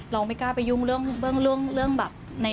เราไม่กล้าไปยุ่งเรื่องแบบในมุมของเขา